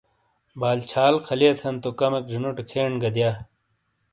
بال چھال خالیتھن تو کمیک زینوٹے کھین گہ دیا۔